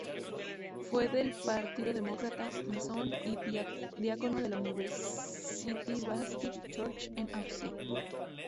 Fue del Partido Demócrata, masón, y diácono de la "University Baptist Church" en Austin.